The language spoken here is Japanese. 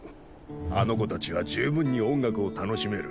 あの子たちは十分に音楽を楽しめる。